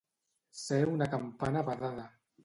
Ser una campana badada.